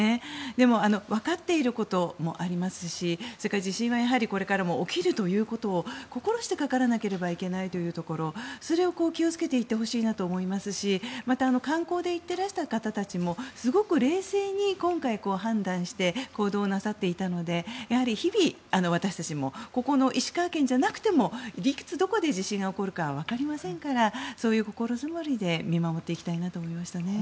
でもわかっていることもありますしそれから地震はやはりこれからも起きるということを心してかからなければいけないというところそれを気をつけていってほしいなと思いますしまた観光で行ってらした方たちもすごく冷静に今回、判断して行動なさっていたのでやはり、日々私たちもここの石川県じゃなくてもいつどこで地震が起こるかわかりませんからそういう心づもりで見守っていきたいなと思いましたね。